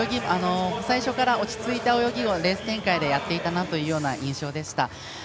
最初から落ち着いた泳ぎのレース展開でやっていたなというような印象でした。